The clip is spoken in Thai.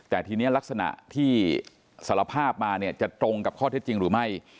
แต่ทีนี้ลักษณะที่สารภาพมาเนี่ยจะตรงกับข้อเท็จจริงหรือไม่